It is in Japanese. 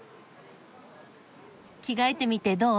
着替えてみてどう？